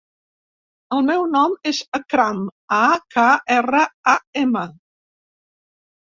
El meu nom és Akram: a, ca, erra, a, ema.